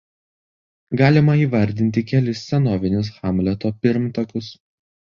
Galima įvardinti kelis senovinius "Hamleto" pirmtakus.